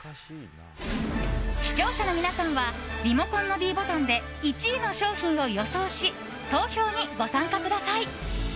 視聴者の皆さんはリモコンのｄボタンで１位の商品を予想し投票にご参加ください。